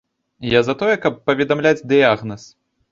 Я за тое, каб паведамляць дыягназ.